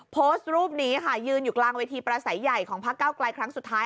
โพสต์รูปนี้ค่ะยืนอยู่กลางเวทีประสัยใหญ่ของพักเก้าไกลครั้งสุดท้าย